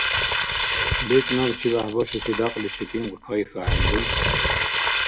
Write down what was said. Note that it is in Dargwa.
БецӀ набчибяхӀ башуси дякьличи тӀимкь кайхьахӀелли?